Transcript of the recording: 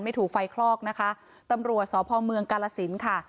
ถูกไฟคลอกนะคะตำรวจสพเมืองกาลสินค่ะ